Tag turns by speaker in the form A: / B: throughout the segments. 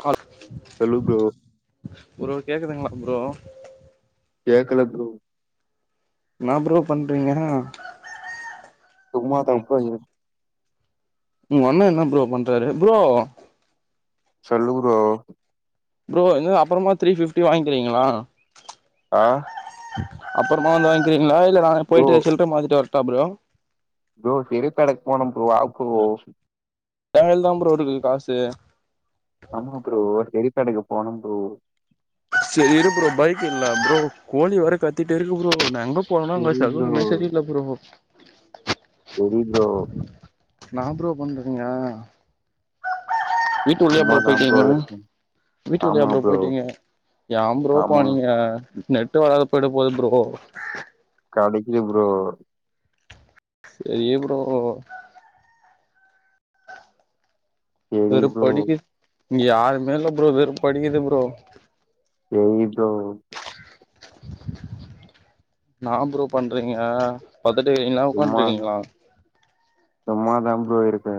A: ஹ
B: சொல்லு bro
A: bro கேக்குதுங்ளா ப்ரோ
B: கேக்கல ப்ரோ
A: ன்னா ப்ரோ பண்றிங்க
B: சும்மா தா அப்பா எங்க
A: உங்க அண்ண என்ன ப்ரோ பண்றாரு ப்ரோ
B: சொல்லு ப்ரோ
A: ப்ரோ என்ன அப்றமா த்ரீ ஃபிஃப்டி வாங்க்கிறிங்ளா
B: ஆ
A: அப்றமா வந்து வாங்கிக்கிறிங்ளா இல்ல நா
B: ப்ரோ
A: போய்ட்டு சில்ற மாத்திட்டு வர்ட்டா ப்ரோ
B: ப்ரோ தெருக்கடைக்கு போனு ப்ரோ வா போ
A: ஏ கைல தா ப்ரோ இருக்கு காசு
B: ஆமா ப்ரோ தெருக்கடைக்கு போணு ப்ரோ
A: செரி இரு ப்ரோ பைக் இல்ல ப்ரோ கோழி வேற‌ கத்திட்டே இருக்கு ப்ரோ நா ங்க போனா அங்க
B: சரி ப்ரோ
A: சகுனமே செரி இல்ல ப்ரோ
B: செரி ப்ரோ
A: என்னா ப்ரோ பண்றிங்க வீட்டுக்குள்ளயா ப்ரோ
B: சும்மாதா
A: போய்ட்டிங்க
B: இருக்கே
A: வீட்டுக்குள்ளயா ப்ரோ போய்ட்டிங்க ஏம் ப்ரோ
B: ஆமா
A: போனிங்க நெட்டு வராது போய்ட போது ப்ரோ
B: கடைக்கு ப்ரோ
A: செரி ப்ரோ
B: சரி ப்ரோ
A: வெறுப்படிக்குது இங்க யாருமே இல்ல ப்ரோ வெறுப்படிக்கிது ப்ரோ
B: [unintelligible]
A: என்னா ப்ரோ பண்றிங்க படுத்துட்டுருக்கிங்ளா உக்கான்ட்டு
B: சும்மா
A: இருக்கிங்ளா
B: சும்மாதா ப்ரோ இருக்கே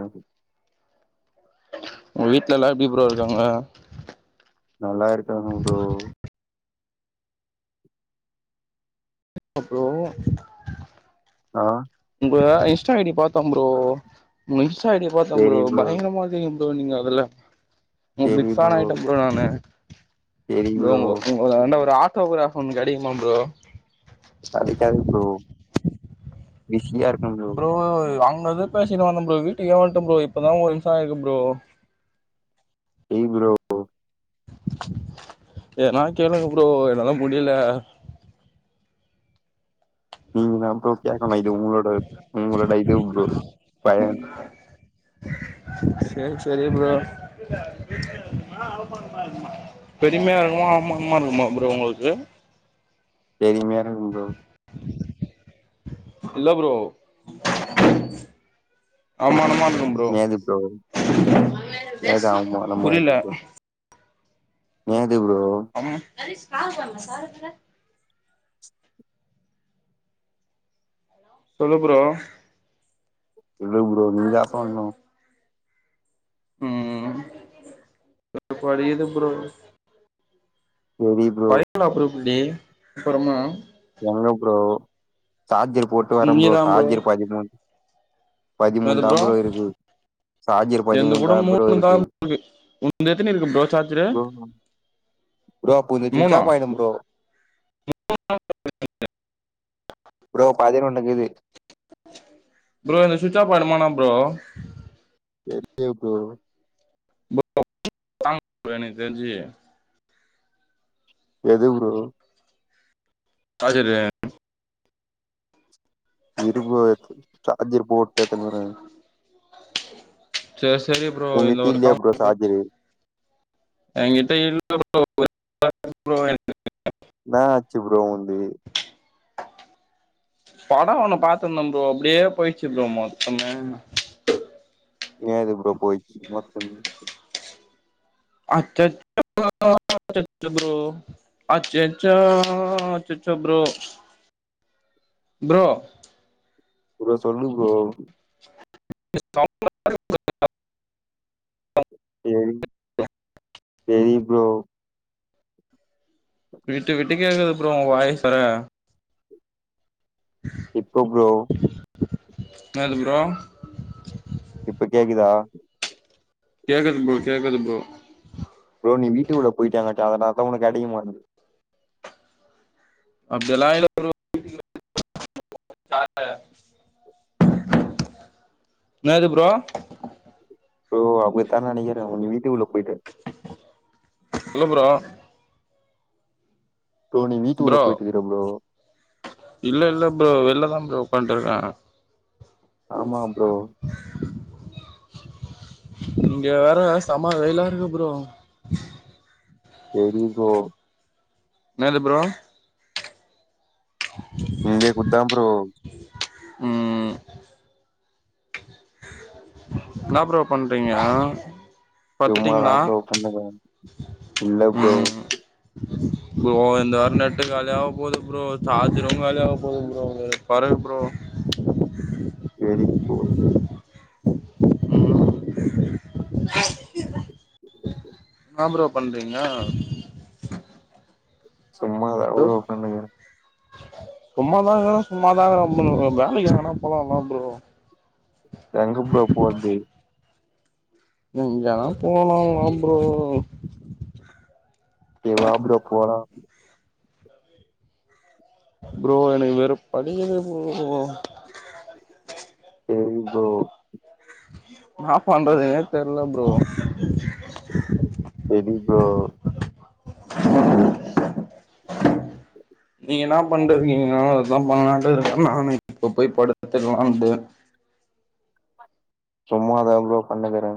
A: உங்க வீட்ல எல்லா எப்டி ப்ரோ இருக்காங்க
B: நல்லா இருக்காங்க ப்ரோ
A: ப்ரோ
B: ஆ
A: உங்க இன்ஸ்டா ஐ டி பாத்தம் ப்ரோ உங்க இன்ஸ்டா ஐ டி ய பாத்தம் ப்ரோ பயங்கரமா வச்சிருக்கிங்க ப்ரோ நீங்க அதுல உங்க பிக் ஃபேன் ஆய்ட்டே ப்ரோ நானு ப்ரோ உங்க உங்களான்ட ஒரு ஆட் டோக்ராஃப் ஒண்ணு கெடைக்குமா ப்ரோ
B: கெடைக்காது ப்ரோ பிஸி யா இரு
A: ப்ரோ அங்கருந்து பேசிட்டு வந்தம் ப்ரோ வீட்டுக்கே வன்ட்டம் ப்ரோ இப்பதா மூனு நிமிஷ ஆயிருக்கு ப்ரோ
B: செரி ப்ரோ
A: எதுனா கேளுங்க ப்ரோ என்னால முடில
B: நீங்கதா ப்ரோ கேக்கனு இது உங்களோட உங்களோட இது ப்ரோ பய
A: செரி செரி ப்ரோ பெருமையா இருக்குமா அவமானமா இருக்குமா ப்ரோ உங்ளுக்கு
B: பெருமையா இருக்கும் ப்ரோ
A: இல்ல ப்ரோ அவமானமா க்கும் ப்ரோ
B: நேது
A: புரில
B: ஏது ப்ரோ
A: அதே காாகப்பங்க [unintelligible] சாரத்துல சொல்லு ப்ரோ
B: சொல்லு ப்ரோ நீ தா சொல்ணு
A: ம் புரியுது ப்ரோ
B: செரி ப்ரோ
A: டி அப்பறமா
B: உள்ள ப்ரோ சார்ஜர் போட்டு வர ப்ரோ சார்ஜர் பதிமூனு
A: என்னது ப்ரோ
B: சார்ஜர்
A: என்து
B: பதிமூணு
A: கூட
B: தான் ப்ரோ
A: மூணு தா இருக்கு உன்னுது எத்தனை இருக்கு ப்ரோ சார்ஜரு
B: ப்ரோ ப்ரோ கொஞ்ச
A: மூணா
B: சுவிட்ச்ஆப் ஆய்டும் ப்ரோ
A: [inaudible]
B: ப்ரோ பதினொன்னுக்குது
A: ப்ரோ இது சுவிட்ச் ஆஃப் ஆய்டுமானா ப்ரோ
B: ஒகே ப்ரோ
A: [inaudible] ப்ரோ [inaudible] எனக்கு தெரிஞ்சு
B: எது ப்ரோ
A: சார்ஜரு
B: இரு ப்ரோ சார்ஜர் போட்டு எட்த்துன்னு வரே
A: செரி செரி ப்ரோ இந்த ஒரு
B: இல்லையா
A: கால்
B: ப்ரோ சார்ஜரு
A: [inaudible] எங்கிட்ட இல்ல ப்ரோ ஒரு [unintelligible] ப்ரோ என்ட்ட
B: என்னாச்சு ப்ரோ உன்து
A: [inaudible] பட ஒன்னு பாத்திருந்த ப்ரோ அப்டியே போயிர்ச்சு ப்ரோ மொத்தமே
B: என்னது ப்ரோ போய்ர்ச்சு மொத்தமே
A: ஆ கேக் [inaudible] ப்ரோ அச்சச்சோ அச்சச்சோ ப்ரோ ப்ரோ
B: ப்ரோ சொல்லு ப்ரோ
A: [inaudible]
B: தெரியு தெரியு ப்ரோ
A: விட்டு விட்டு கேக்குது ப்ரோ ஒ வாய்ஸ் வேற
B: இப்ப ப்ரோ
A: என்னது ப்ரோ
B: இப்ப கேக்குதா
A: கேக்குது ப்ரோ கேக்குது ப்ரோ
B: அதனால தா உனக்கு அடிக்கமாட்னுது
A: அப்டியெல்லா இல்ல ப்ரோ [inaudible] என்னது ப்ரோ
B: ப்ரோ அப்டித்தா நெனைக்கிறே ஒங்க வீட்டுக்குள்ள போய்டு
A: சொல்லு ப்ரோ
B: ப்ரோ நீ வீட்டுக்குள்ள
A: ப்ரோ
B: போயிட்டுருக்குற ப்ரோ
A: இல்ல இல்ல ப்ரோ வெள்ல அதா ப்ரோ பண்ட்டு இருக்கே
B: ஆமா ப்ரோ
A: இங்க வேற செம வெயிலா இருக்கு ப்ரோ
B: சேரி ப்ரோ
A: என்னது ப்ரோ
B: இங்கெ கூட்தா ப்ரோ
A: ம் என்னா ப்ரோ பண்றீங்க
B: சும்மாதா
A: பத்துட்டீங்களா
B: ப்ரோ ஒக்காந்துக்குறே இல்ல ப்ரோ
A: ம் ப்ரோ இந்த வார நெட்டு காலியாகப் போது ப்ரோ சார்ஜரு காலியாகப் போது ப்ரோ [inaudible] பாருங்க ப்ரோ
B: எடிட் ப்ரோ
A: ன்னா ப்ரோ பண்றீங்க
B: சும்மா தா ப்ரோ ஒக்காந்துக்கே
A: சும்மாதா இருக்குறே சும்மாதா இருக்குறே அப்டிங்கற வேலைக்கு எங்கனா போலால ப்ரோ
B: எங்க ப்ரோ போற்து
A: எங்கனாலு போகலால ப்ரோ
B: நீ வா ப்ரோ போகலா
A: ப்ரோ எனக்கு வேற படி [unintelligible] ப்ரோ
B: சேரி ப்ரோ
A: என்னா பண்றதுனே தெர்ல ப்ரோ
B: லீவ் ப்ரோ
A: நீங்க என்னா பண்ட்டுருக்கீங்க அதா பண்ணலான்ட்டுருக்கே நானு இப்ப போய் படுத்துர்லான்ட்டு [inaudible]
B: சும்மா தா ப்ரோ ஒக்காந்துக்கறே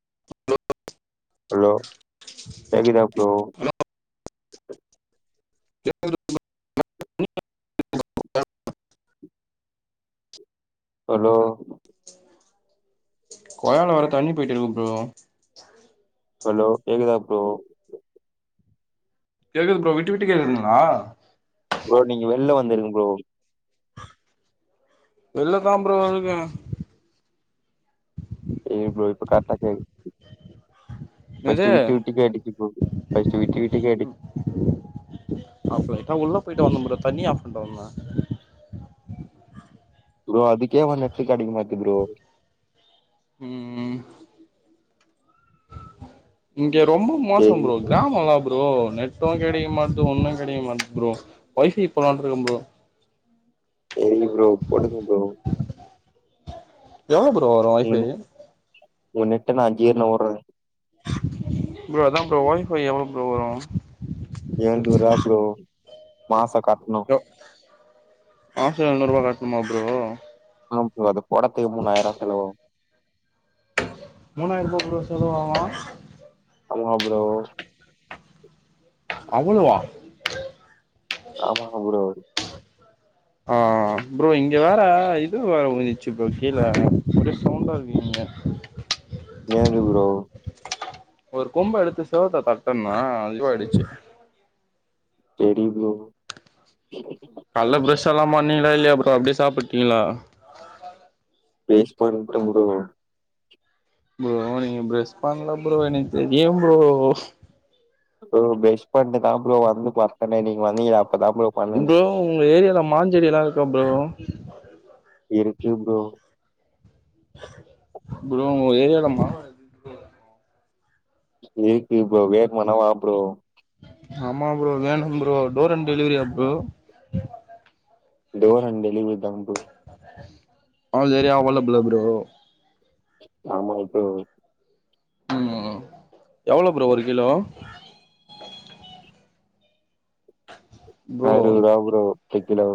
A: [inaudible]
B: அலோ கேக்குதா ப்ரோ
A: [inaudible]
B: அலோ
A: கொழால வேற தண்ணி போயிட்டுருக்கு ப்ரோ
B: அலோ கேக்குதா ப்ரோ
A: கேக்குது ப்ரோ விட்டு விட்டு கேக்குதுங்ளா
B: ப்ரோ நீங்க வெள்ல வந்துருங் ப்ரோ
A: வெள்ல தா ப்ரோ இருக்கே
B: சேர் ப்ரோ இப்ப கர்ட்டா கேக் ஃபஸ்ட்டு‌
A: என்னது
B: விட்டு விட்டு கேட்டுச்சு ப்ரோ ஃபஸ்ட்டு‌ விட்டு விட்டு கேட்டு
A: அப்ப கரட்டா உள்ள போயிட்டு வந்தே ப்ரோ தண்ணி ஆஃப் பண்ட்டு வந்தே
B: ப்ரோ அதுக்கே வந் நெட்டு கெடைக்க மாட்து ப்ரோ
A: ம் ம் இங்க ரொம்ப மோசோ
B: சரி
A: ப்ரோ கிராமோ எல்லா [unintelligible] ப்ரோ நெட்டு கெடைக்க மாட்து ஒன்னு கெடைக்க மாட்து ப்ரோ ஒய்ஃபை போலான்ட்ருக்கே ப்ரோ
B: செரி ப்ரோ போடுங்க ப்ரோ
A: எவ்ளோ ப்ரோ வரு ஒய்ஃபையி
B: ஒரு நெட்டுனா அஞ்சு [unintelligible] ஓட்றதுங்
A: ப்ரோ அதா ப்ரோ ஒய்ஃபை எவ்ளோ ப்ரோ வரு
B: எழ்நூர்ருவா ப்ரோ மாசோ கட்
A: ஓ மாசோ எழ்நூர்ருவா கட்ணுமா ப்ரோ
B: ஆம் ப்ரோ அது போடத்துகு மூணாய்ர்வா செலவாவு
A: மூணாய்ருவா ப்ரோ செலவாவு
B: ஆமா ப்ரோ
A: அவ்ளோவா
B: ஆமாங்க ப்ரோ
A: ஆ ப்ரோ இங்க வேற இது வேற முஞ்சிச்சி ப்ரோ கீழ ஒரே சவுண்டா இருக்கு இங்க
B: ஏங்க ப்ரோ
A: ஒரு கொம்ப எடுத்து செவுத்த தட்டுன்னா அது இதுவாயிடுச்சு
B: செரி ப்ரோ
A: கால்ல ப்ரஷ் எல்லா பண்ணீங்களா இல்லயா ப்ரோ அப்டியே சாப்பிட்டீங்களா
B: ப்ரஷ் பண்ட்ட ப்ரோ
A: ப்ரோ நீங்க ப்ரஷ் பண்ல ப்ரோ எனக் தெரியு ப்ரோ
B: ப்ரோ ப்ரஸ் பண்ட்டுதா ப்ரோ வந்து பட்த்தன்னே நீங் வந்தீங்கல
A: ப்ரோ உங்க ஏரியால மாஞ்செடி எல்லா இருக்கா ப்ரோ
B: இருக்கு ப்ரோ
A: ப்ரோ உங்க ஏரியால மாமரோ [inaudible]
B: இருக்கு ப்ரோ வேணுமன்னா வா ப்ரோ
A: ஆமா ப்ரோ வேணு ப்ரோ டோர் அண்ட் டெலிவரியா ப்ரோ
B: டோர் அண்ட் டெலிவ்ரி தா ப்ரோ
A: ஆல் ஏரியா அவலபிளா ப்ரோ
B: ஆமா டூ
A: உம் எவளோ ப்ரோ ஒரு கிலோ ப்ரோ
B: அறுவது ரூபா ப்ரோ ஒத்த கிலோ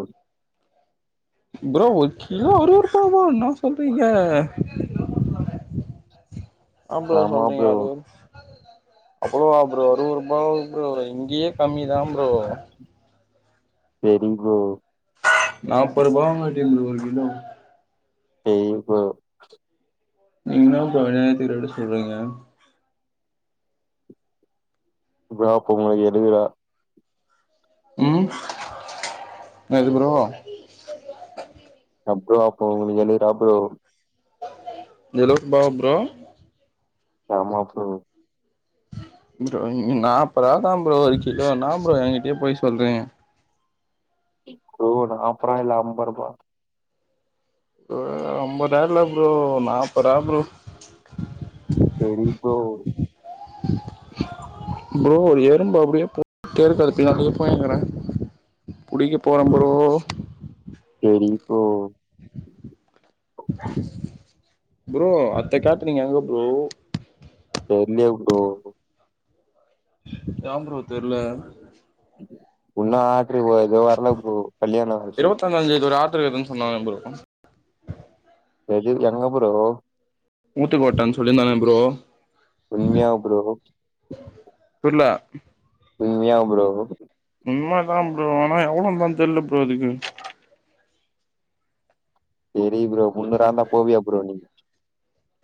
A: ப்ரோ ஒரு கிலோ அருவது ரூபாவா என்ன சொல்றீங்க [unintelligible]
B: ஆமா
A: சொல்றீங்க
B: ப்ரோ
A: அருள் அவ்வளோ ப்ரோ அருவருபாவ ப்ரோ இங்கயே கம்மிதா ப்ரோ
B: சரிங்கோ
A: நாற்பது ரூபாவாகாட்டியு இந்த ஒரு கிலோ
B: ஏ ப்ரோ
A: நீங்க என்னா பா அநியாயத்துக்கு ரெண்டு சொல்றீங்க
B: வாக்கோ உங்களுக்கு எடுக்குதா
A: ம் என்னது ப்ரோ
B: அப்புறம் ப்ரோ உங்களுக்கு எழுவருவா ப்ரோ
A: நிலோக் பாவ ப்ரோ
B: ஆமா ப்ரோ
A: ப்ரோ நாற்பறவாதா ப்ரோ ஒரு கிலோ என்னா ப்ரோ என்கிட்டயே போய் சொல்ரிங்க
B: ப்ரோ நாபருவா இல்ல அம்பறுவா
A: ப்ரோ அம்பறுவா இல்ல ப்ரோ நாபருவா ப்ரோ
B: சரி ப்ரோ
A: ப்ரோ ஒரு எறும்பு அப்படியே தெரு கட பின்னாடியே போயங்கறே புடிக்க போற ப்ரோ
B: சரி ப்ரோ
A: ப்ரோ அத்தை கட்டு நீங்க எங்க ப்ரோ
B: தெற்லையே ப்ரோ
A: அதா ப்ரோ தெரில
B: இன்னு ஆட்ரூ எதுவு வரல ப்ரோ கல்யாண ஆட்ரு
A: து எது சொன்னாக ப்ரோ
B: எது எங்க ப்ரோ
A: ஊத்துக்கோட்ட சொல்லிருந்தனே ப்ரோ
B: உண்மையா ப்ரோ
A: புரில
B: உண்மயா ப்ரோ
A: ஆ ப்ரோ ஆனா எவ்வளோ தா தெரியல ப்ரோ அதுக்கு
B: சரி ப்ரோ முந்நூறா இருந்தா போவியா ப்ரோ நீ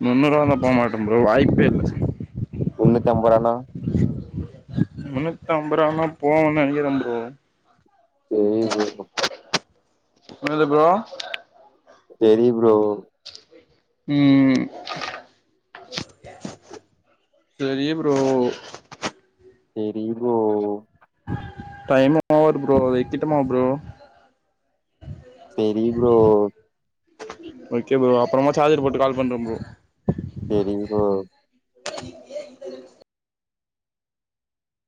A: முண்ணூறு ரூவாருந்தா போமாட்டே ப்ரோ வாய்ப்பே இல்ல
B: முண்ணூத்தி அம்பது ரூவான்னா
A: முன்னூத்தி அம்பது ரூவான்னா போவோன்னு நெனைக்கிறே ப்ரோ
B: செரி ப்ரோ
A: என்னது ப்ரோ
B: செரி ப்ரோ
A: உம் செரி ப்ரோ
B: செரி ப்ரோ
A: டைமு ஆவுது ப்ரோ வக்கட்டுமா ப்ரோ
B: செரி ப்ரோ
A: ஓகே ப்ரோ அப்புறமா சார்ஜர் போட்டு கால் பண்றே ப்ரோ
B: செரீ ப்ரோ
A: [inaudible]